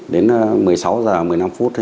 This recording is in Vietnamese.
đến một mươi sáu h một mươi năm phút